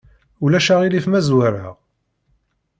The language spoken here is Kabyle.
Ulac aɣilif ma zwareɣ?